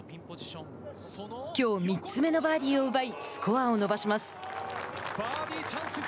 きょう３つ目のバーディーを奪いスコアを伸ばします。